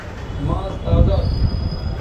ماس تازا تھو